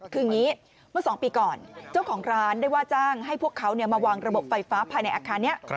คืออย่างนี้เมื่อ๒ปีก่อนเจ้าของร้านได้ว่าจ้างให้พวกเขามาวางระบบไฟฟ้าภายในอาคารนี้